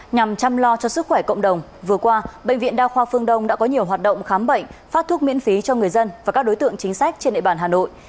nhằm chăm lo cho sức khỏe cộng đồng vừa qua bệnh viện đa khoa phương đông đã có nhiều hoạt động khám bệnh phát thuốc miễn phí cho người dân và các đối tượng chính sách trên địa bàn hà nội